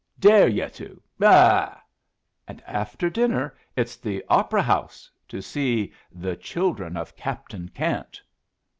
"Dare you to! Ah!" "And after dinner it's the Opera house, to see 'The Children of Captain Cant'!"